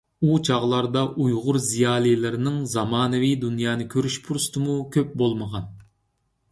ئۇ چاغلاردا ئۇيغۇر زىيالىيلىرىنىڭ زامانىۋى دۇنيانى كۆرۈش پۇرسىتىمۇ كۆپ بولمىغان.